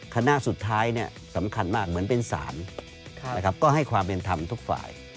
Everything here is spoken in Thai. คณะสุดท้ายสำคัญมากเหมือนเป็นศาลก็ให้ความเป็นธรรมทุกฝ่าย